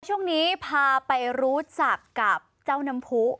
ช่วงนี้พาไปรู้จักกับเจ้าน้ำผู้